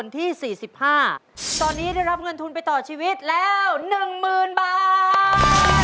ตอนนี้ได้รับเงินทุนไปต่อชีวิตแล้ว๑๐๐๐บาท